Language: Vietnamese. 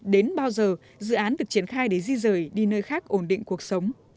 đến bao giờ dự án được triển khai để di rời đi nơi khác ổn định cuộc sống